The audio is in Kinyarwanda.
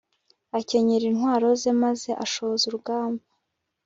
akenyera intwaro ze maze ashoza urugamba